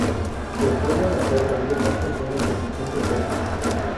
Se pueden hacer rollos más pequeños de distinto peso.